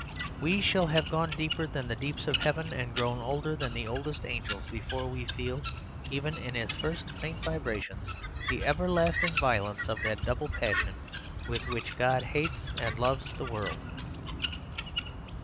We shall have gone deeper than the deeps of heaven and grown older than the oldest angels before we feel, even in its first faint vibrations, the everlasting violence of that double passion with which God hates and loves the world.